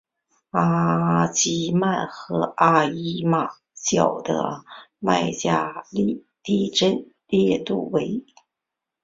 阿吉曼和哈伊马角的麦加利地震烈度为。